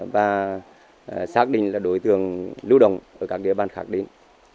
và xác định là đối tượng lưu đồng ở các địa bàn khác đến